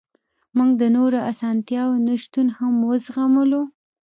موږ د نورو اسانتیاوو نشتون هم وزغملو